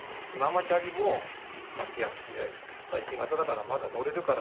ママチャリも「ギア付きで最新型だからまだ乗れるから」って言われて。